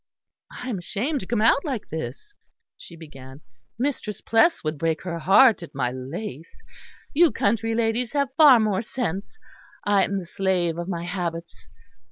"I am ashamed to come out like this," she began. "Mistress Plesse would break her heart at my lace. You country ladies have far more sense. I am the slave of my habits.